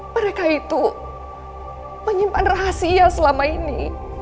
mereka itu menyimpan rahasia selama ini